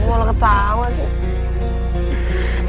gue malah ketawa sih